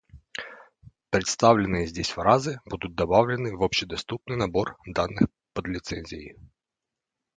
Представленные здесь фразы будут добавлены в общедоступный набор данных под лицензией